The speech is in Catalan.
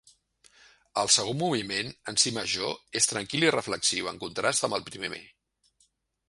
El segon moviment, en si major, és tranquil i reflexiu, en contrast amb el primer.